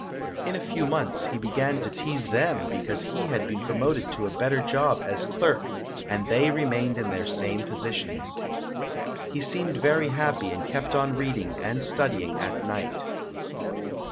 In a few months, he be gan to tease them because he had been promoted to a better job as clerk and they remained in their same positions. He seemed very happy and kept on reading and studying at night.